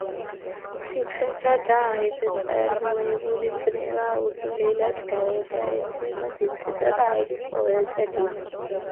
სითხესა და აირზე წარმოებული წნევა უცვლელად გადაეცემა სითხისა და აირის ყოველ წერტილს.